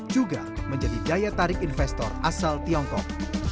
juga menjadi daya tarik investor asal tiongkok